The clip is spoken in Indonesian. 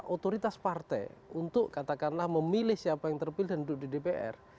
otoritas partai untuk katakanlah memilih siapa yang terpilih dan duduk di dpr